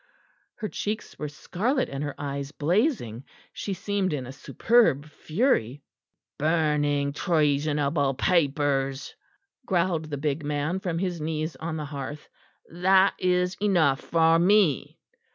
Her cheeks were scarlet and her eyes blazing; she seemed in a superb fury. "Burning treasonable papers," growled the big man from his knees on the hearth, "that is enough for me."